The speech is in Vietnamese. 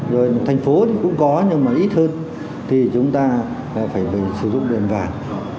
rồi thành phố thì cũng có nhưng mà ít hơn thì chúng ta phải sử dụng đèn vàng